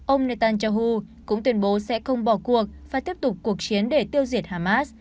ông netanyahu cũng tuyên bố sẽ không bỏ cuộc và tiếp tục cuộc chiến để tiêu diệt hamas